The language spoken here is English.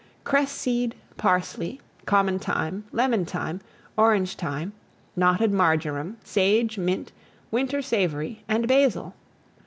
Cress seed, parsley, common thyme, lemon thyme, orange thyme, knotted marjoram, sage, mint, winter savoury, and basil.